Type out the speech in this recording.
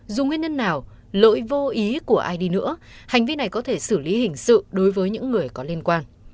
dù nguyên nhân nào lỗi vô ý của ai đi nữa hành vi này có thể xử lý hình sự đối với những người có liên quan